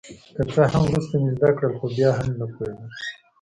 که څه هم وروسته مې زده کړل خو بیا هم نه په پوهېدم.